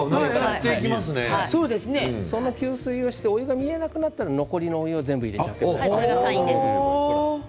吸水してお湯が見えなくなったら残りのお湯を全部入れちゃってください。